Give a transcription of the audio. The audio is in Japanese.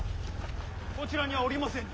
こちらにはおりませぬ。